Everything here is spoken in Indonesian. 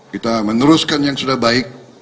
kita meneruskan yang sudah baik